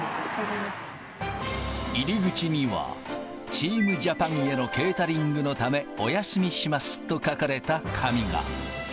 入り口には、チームジャパンへのケータリングのため、お休みしますと書かれた紙が。